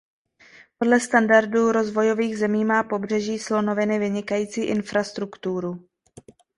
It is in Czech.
Podle standardů rozvojových zemí má Pobřeží slonoviny vynikající infrastrukturu.